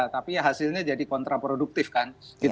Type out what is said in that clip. tapi hasilnya jadi kontraproduktif kan